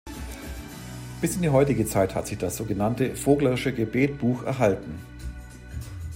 Bis in die heutige Zeit hat sich das so genannte "Vogler’sche Gebetbuch" erhalten.